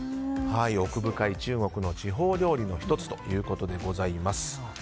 奥深い中国の地方料理の１つということでございます。